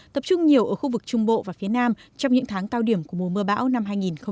tập trung nhiều ở khu vực trung bộ và phía nam trong những tháng cao điểm của mùa mưa bão năm hai nghìn hai mươi